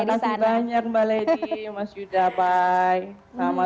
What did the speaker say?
salam juga untuk keluarga di sana